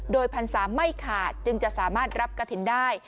โดยพรรษาไม่ขาดจึงจะสามารถรับกระถิ่นได้